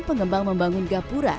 pengembang membangun gapura